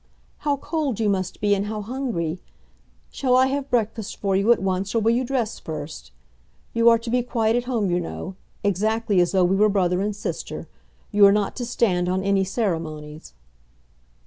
"How cold you must be, and how hungry! Shall I have breakfast for you at once, or will you dress first? You are to be quite at home, you know; exactly as though we were brother and sister. You are not to stand on any ceremonies."